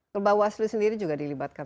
ke bawaslu sendiri juga dilibatkan